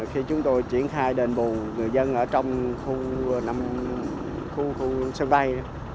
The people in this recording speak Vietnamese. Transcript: khi chúng tôi triển khai đền bù người dân ở trong khu sân bay